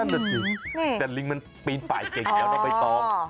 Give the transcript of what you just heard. นั่นจะถึงแต่ลิงมันปีนป่ายเก่งเดี๋ยวแล้วไปต้อง